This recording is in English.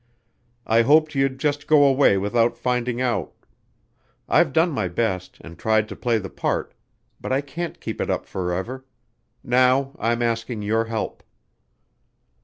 I hoped you'd just go away without finding out.... I've done my best and tried to play the part ... but I can't keep it up forever.... Now I'm asking your help."